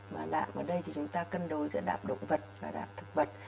và lạ ở đây thì chúng ta cân đối giữa đạm động vật và đạm thực vật